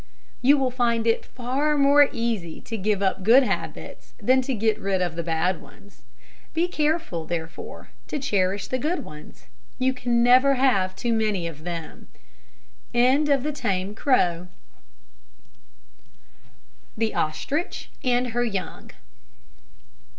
You will find it far more easy to give up good habits than to get rid of bad ones. Be careful therefore to cherish the good ones. You can never have too many of them. THE OSTRICH AND HER YOUNG.